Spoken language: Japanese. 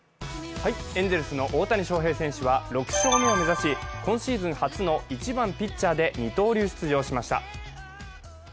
エンゼルスの大谷翔平選手は６勝目を目指し、今シーズン初の１番・ピッチャーで二刀流出場しました。